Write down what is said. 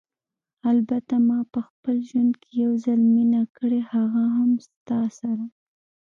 البته ما په خپل ژوند کې یو ځل مینه کړې، هغه هم ستا سره.